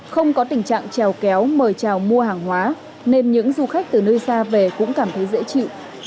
không có tình trạng trèo kéo mời trào mua hàng hóa nên những du khách từ nơi xa về cũng cảm thấy dễ chịu